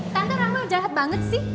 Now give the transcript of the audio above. tante ranglo jahat banget sih